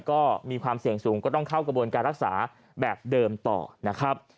ก็มีความเสี่ยงสูงก็ต้องเข้ากระบวนการรักษาแบบเดิมต่อนะครับ